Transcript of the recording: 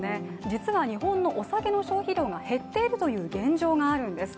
実は日本のお酒の消費量が減っているという現状があるんです。